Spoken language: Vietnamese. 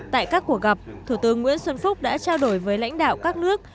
tại các cuộc gặp thủ tướng nguyễn xuân phúc đã trao đổi với lãnh đạo các nước